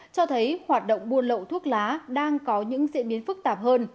cho thấy hoạt động buôn lậu thuốc lá đang có những diễn biến phức tạp hơn